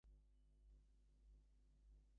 Little exists of it now.